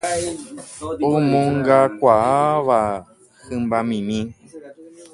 omongakuaáva hymbamimi